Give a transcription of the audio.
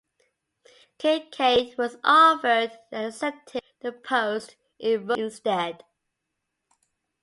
Kinkaid was offered and accepted the post in Rome instead.